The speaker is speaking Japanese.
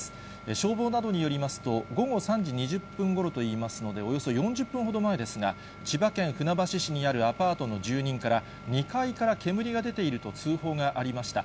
消防などによりますと、午後３時２０分ごろといいますので、およそ４０分ほど前ですが、千葉県船橋市にあるアパートの住人から、２階から煙が出ていると通報がありました。